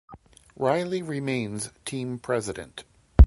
Riley remains team president.